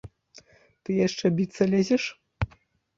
Ты яшчэ біцца лезеш?